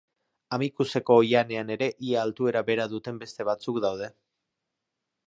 Amikuzeko oihanean ere ia altuera bera duten beste batzuk daude.